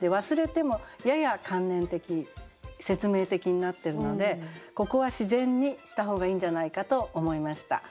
「忘れて」もやや観念的説明的になってるのでここは自然にした方がいいんじゃないかと思いました。